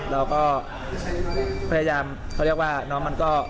เราก็พยายามเขาเรียกว่าน้องมันก็